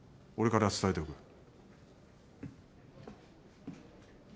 俺から伝えておく。